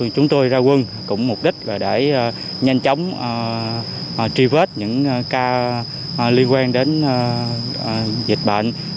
chúng tôi ra quân cũng mục đích là để nhanh chóng truy vết những ca liên quan đến dịch bệnh